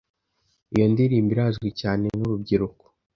Iyo ndirimbo irazwi cyane nurubyiruko.